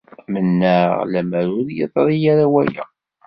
Mennaɣ lemmer ur yeḍri ara waya.